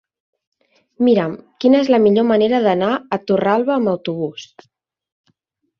Mira'm quina és la millor manera d'anar a Torralba amb autobús.